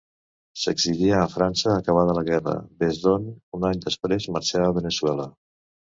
S'exilià a França acabada la guerra, des d'on un any després marxà a Veneçuela.